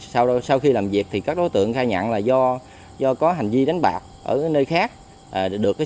sau đó sau khi làm việc thì các đối tượng khai nhận là do do có hành vi đánh bạc ở nơi khác được cái